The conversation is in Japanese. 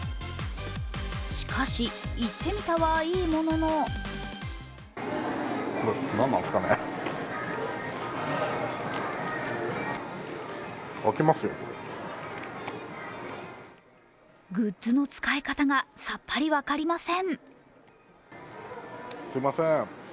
しかし、行ってみたはいいもののグッズの使い方がさっぱり分かりません。